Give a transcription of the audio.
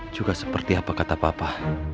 juga seperti apa kata papa